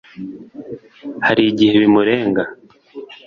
hari gihe bimurenga